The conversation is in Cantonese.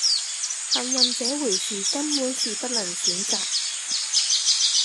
幸運這回事根本是不能選擇